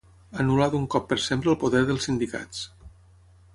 Anul·lar d'un cop per sempre el poder dels sindicats.